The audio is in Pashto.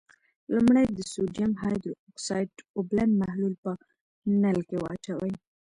لومړی د سوډیم هایدرو اکسایډ اوبلن محلول په نل کې واچوئ.